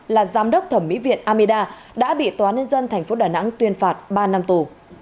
là giám đốc thẩm mỹ viện ameda đã bị tòa nhân dân tp đà nẵng tuyên phạt ba năm tù